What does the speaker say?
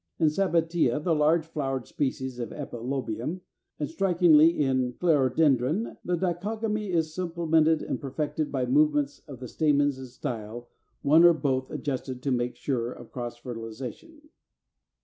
340. In Sabbatia, the large flowered species of Epilobium, and strikingly in Clerodendron, the dichogamy is supplemented and perfected by movements of the stamens and style, one or both, adjusted to make sure of cross fertilization.